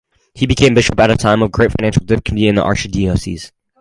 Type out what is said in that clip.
He became bishop at a time of great financial difficulty in the archdiocese.